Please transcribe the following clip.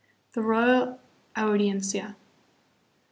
The Royal Audiencia.